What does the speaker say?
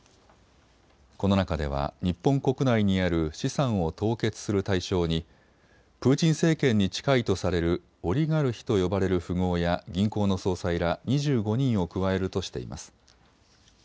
この中では日本国内にある資産を凍結する対象にプーチン政権に近いとされるオリガルヒと呼ばれる富豪や銀行の総裁ら２５人を加えるとしています。